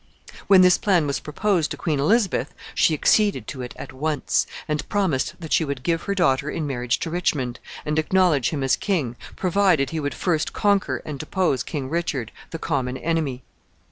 When this plan was proposed to Queen Elizabeth, she acceded to it at once, and promised that she would give her daughter in marriage to Richmond, and acknowledge him as king, provided he would first conquer and depose King Richard, the common enemy.